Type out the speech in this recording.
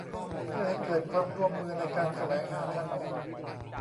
เพื่อให้เกิดความร่วมมือในการแสวงหาทางออก